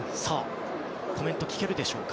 コメント、聞けるでしょうか。